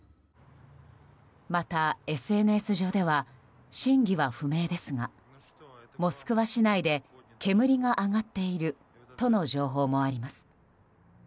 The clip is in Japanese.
また、ＳＮＳ上では真偽は不明ですがモスクワ市内で煙が上がっているとの情報もあります。